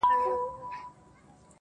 تور پنجاب پر نړېدو دی!!